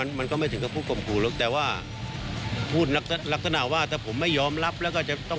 แล้วก็จะต้องไปกพยาปรชนุร้ำวคุกเจรินทรงงานที่อยู่ขาดนะ